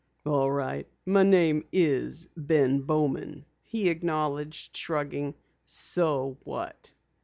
"All right, my name is Ben Bowman," he acknowledged, shrugging. "So what?"